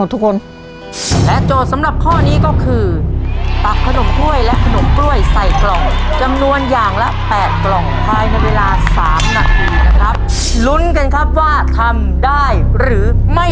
ทำได้ทำได้ทำได้ได้ได้ได้ได้ได้